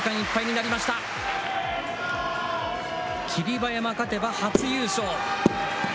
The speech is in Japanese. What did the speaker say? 馬山勝てば、初優勝。